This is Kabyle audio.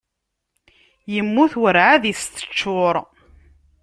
Immut urɛad i s-teččuṛ.